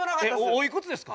おいくつですか？